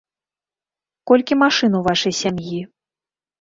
Колькі машын у вашай сям'і?